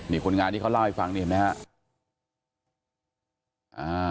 มีคนงานที่เค้าเล่าให้ฟังเห็นมั้ยครับ